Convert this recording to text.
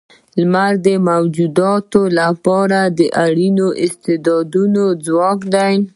لمر د موجوداتو لپاره اړین استعدادی ځواک دی.